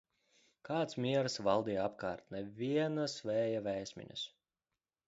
Kāds miers valdīja apkārt, nevienas vēja vēsmiņas.